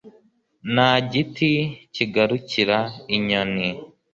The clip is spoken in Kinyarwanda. nta giti kigurukira inyoni